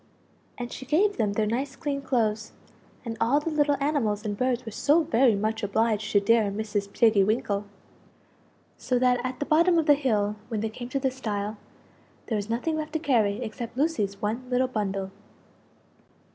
And she gave them their nice clean clothes; and all the little animals and birds were so very much obliged to dear Mrs. Tiggy winkle. So that at the bottom of the hill when they came to the stile, there was nothing left to carry except Lucie's one little bundle.